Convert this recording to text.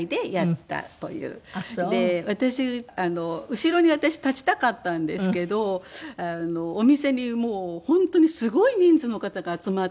後ろに私立ちたかったんですけどお店に本当にすごい人数の方が集まったんです。